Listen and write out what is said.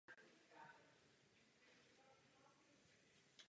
O pět let později mu byla udělena Stříbrná pamětní medaile Senátu.